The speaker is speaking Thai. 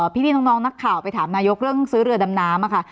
พี่น้องนักข่าวไปถามนายกเรื่องซื้อเรือดำน้ำค่ะ